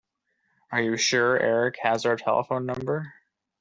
Are you sure Erik has our telephone number?